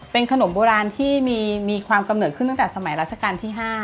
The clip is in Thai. เป็นขนมโบราณที่มีความกำเนิดขึ้นตั้งแต่สมัยราชการที่๕